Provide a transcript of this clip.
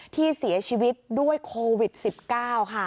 ที่เสียชีวิตด้วยโควิด๑๙ค่ะ